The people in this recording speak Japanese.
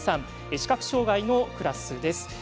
視覚障がいのクラスです。